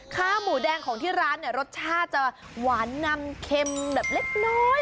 ข้าวหมูแดงของที่ร้านเนี่ยรสชาติจะหวานนำเค็มแบบเล็กน้อย